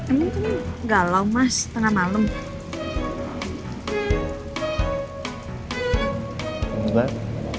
enggak loh mas tengah malam